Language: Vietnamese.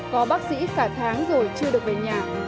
có bác sĩ cả tháng rồi chưa được về nhà